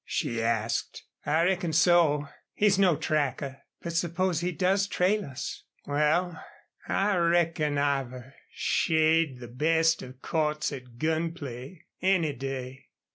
she asked. "I reckon so. He's no tracker." "But suppose he does trail us?" "Wal, I reckon I've a shade the best of Cordts at gun play, any day."